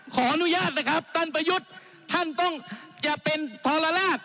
ขออนุญาตนะครับตั้งแต่ยุทธ์ท่านต้องจะเป็นพลลาด